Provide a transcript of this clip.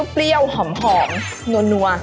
เปรี้ยวหอมนัว